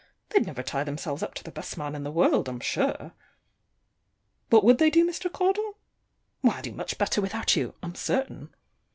They'd never tie themselves up to the best man in the world, I'm sure. What would they do, Mr. Caudle? Why, do much better without you, I'm certain.